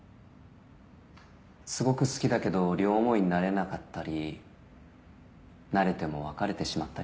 すごく好きだけど両思いになれなかったりなれても別れてしまったり。